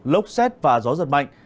lốc xét và gió giật mạnh